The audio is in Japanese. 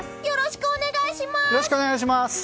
よろしくお願いします！